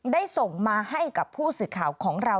ได้ส่งมาให้กับผู้สื่อข่าวของเรา